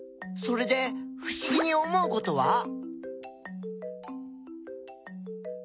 それでふしぎに思うことは？